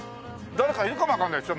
誰かいるかもわかんないでしょ？